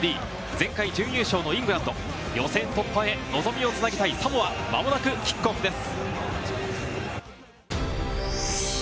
前回準優勝のイングランド、予選突破へ望みを繋ぎたいサモア、間もなくキックオフです。